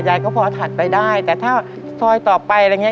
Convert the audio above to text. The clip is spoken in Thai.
ยายก็พอถัดไปได้แต่ถ้าซอยต่อไปอะไรอย่างเง